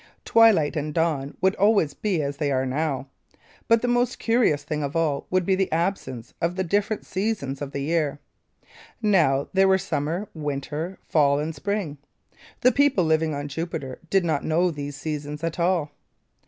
Twilight and dawn would always be as they are now. But the most curious thing of all would be the absence of the different seasons of the year. Now there were Summer, Winter, Fall, and Spring. The people living on Jupiter did not know these seasons at all.